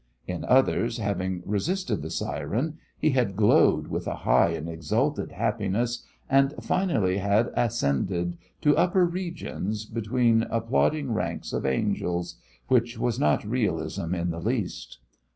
In others, having resisted the siren, he had glowed with a high and exalted happiness, and finally had ascended to upper regions between applauding ranks of angels which was not realism in the least.